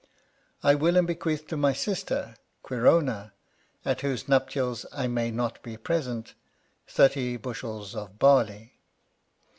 I will and bequeath to my sister, Quirona, at whose nuptials I may not be present, 30 bush, of barley.